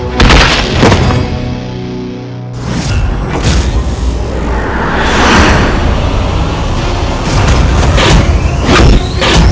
pak kiai assalamualaikum